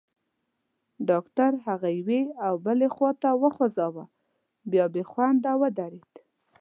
ډاکټر هغه یوې او بلې خواته وخوځاوه، بیا بېخونده ودرېد.